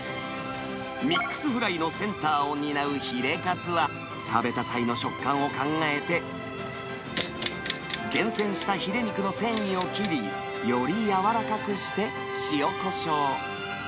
ミックスフライのセンターを担うヒレカツは、食べた際の食感を考えて、厳選したヒレ肉の繊維を切り、より柔らかくして、塩こしょう。